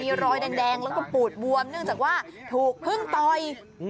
มีรอยแดงแล้วก็ปูดบวมเนื่องจากว่าถูกพึ่งต่อย